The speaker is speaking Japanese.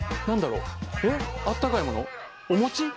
何だろうえ温かいもの？